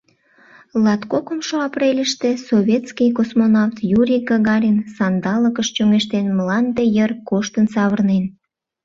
Латкокымшо апрельыште советский космонавт Юрий Гагарин сандалыкыш чоҥештен, Мланде йыр коштын савырнен.